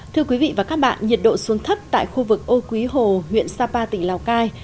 thưa quý vị và các bạn nhiệt độ xuống thấp tại khu vực âu quý hồ huyện sapa tỉnh lào cai